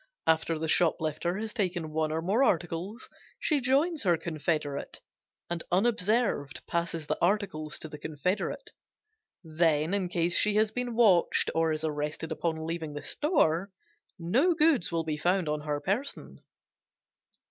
After the shoplifter has taken one or more articles she joins her confederate, and unobserved passes the articles to the confederate. Then in case she has been watched or is arrested upon leaving the store, no goods will be found on her person.